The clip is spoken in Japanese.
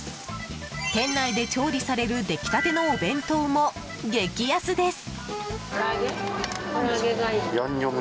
店内で調理される出来立てのお弁当も激安です。